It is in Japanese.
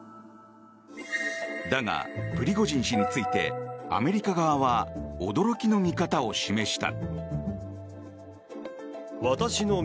だが、プリゴジン氏についてアメリカ側は驚きの見方を示した。